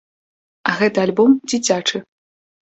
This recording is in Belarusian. А гэты альбом дзіцячы.